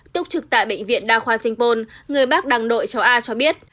túc trực tại bệnh viện đa khoa sinh pôn người bác đăng đội cháu a cho biết